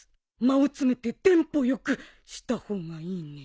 間を詰めてテンポ良くした方がいいね。